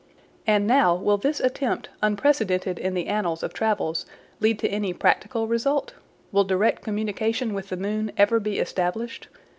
And now will this attempt, unprecedented in the annals of travels, lead to any practical result? Will direct communication with the moon ever be established?